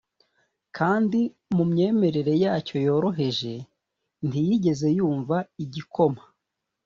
kandi, mu myemerere yacyo yoroheje, ntiyigeze yumva igikoma